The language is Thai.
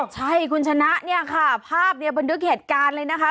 ใช่คุณชนะเนี่ยค่ะภาพเนี่ยบันทึกเหตุการณ์เลยนะคะ